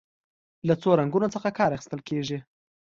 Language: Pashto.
له څو رنګونو څخه کار اخیستل کیږي.